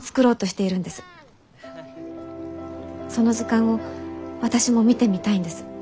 その図鑑を私も見てみたいんです。